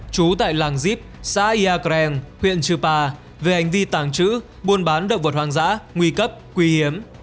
trú tại làng díp xã yagren huyện chupa về hành vi tàng trữ buôn bán động vật hoang dã nguy cấp quý hiếm